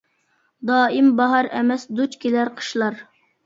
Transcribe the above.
دائىم باھار ئەمەس دۇچ كېلەر قىشلار.